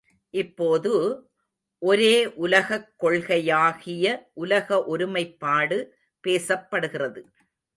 இப்போது, ஒரே உலகக் கொள்கையாகிய உலக ஒருமைப்பாடு பேசப்படுகிறது.